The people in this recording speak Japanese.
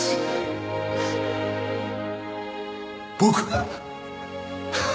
僕が？